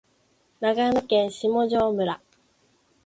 長野県下條村